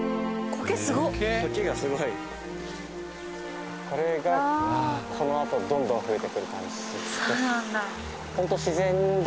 苔がすごいこれがこのあとどんどん増えてくる感じですそうなんだ